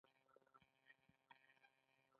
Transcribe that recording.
په دې حالت کې درنه مالیه هم شته